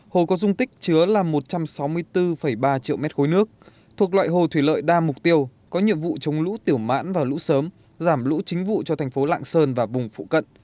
hồ có dung tích chứa là một trăm sáu mươi bốn ba triệu m ba nước thuộc loại hồ thủy lợi đa mục tiêu có nhiệm vụ chống lũ tiểu mãn và lũ sớm giảm lũ chính vụ cho thành phố lạng sơn và vùng phụ cận